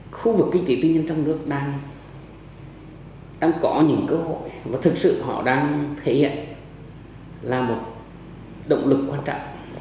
khu vực kinh tế tư nhân trong nước đang có những cơ hội và thực sự họ đang thể hiện là một động lực quan trọng